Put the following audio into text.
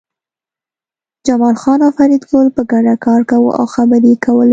جمال خان او فریدګل په ګډه کار کاوه او خبرې یې کولې